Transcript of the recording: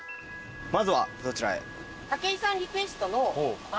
まずはどちらへ。